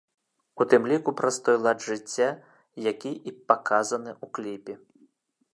У тым ліку праз той лад жыцця, які і паказаны ў кліпе.